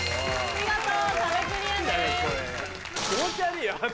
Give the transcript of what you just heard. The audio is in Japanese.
見事壁クリアです。